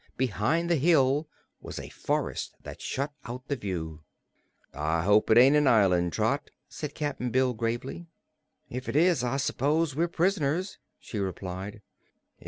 Behind the hill was a forest that shut out the view. "I hope it ain't an island, Trot," said Cap'n Bill gravely. "If it is, I s'pose we're prisoners," she replied.